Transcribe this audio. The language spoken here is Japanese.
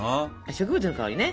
植物の香りね。